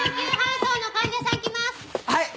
はい！